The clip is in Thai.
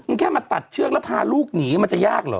มันแค่มาตัดเชือกแล้วพาลูกหนีมันจะยากเหรอ